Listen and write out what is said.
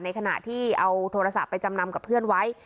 ขณะที่เอาโทรศัพท์ไปจำนำกับเพื่อนไว้